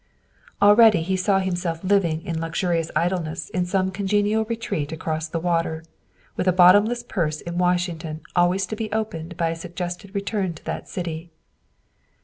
Already he saw himself living in luxurious idleness in some con genial retreat across the water, with a bottomless purse in Washington always to be opened by a suggested return to that city.